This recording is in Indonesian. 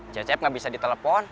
cecep gak bisa ditelepon